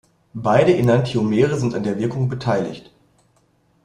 Beide Enantiomere sind an der Wirkung beteiligt.